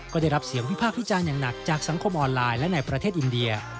ก็ได้รับเสียงวิพากษ์วิจารณ์อย่างหนักจากสังคมออนไลน์และในประเทศอินเดีย